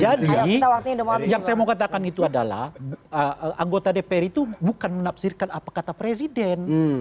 jadi yang saya mau katakan itu adalah anggota dpr itu bukan menafsirkan apa kata presiden